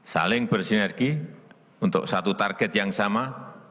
saling bersinergi untuk satu target yang sama